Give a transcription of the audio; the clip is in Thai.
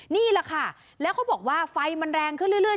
นี่แหละค่ะแล้วเขาบอกว่าไฟมันแรงขึ้นเรื่อย